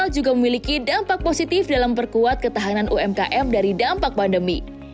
juga memiliki dampak positif dalam perkuat ketahanan umkm dari dampak pandemi